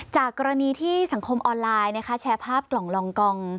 จากกรณีที่สังคมออนไลน์แชร์ภาพกล่องลองกอง